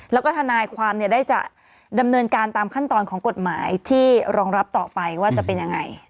แล้วก็ทนายความได้จะดำเนินการตามขั้นตอนของกฎหมายที่รองรับต่อไปว่าจะเป็นยังไง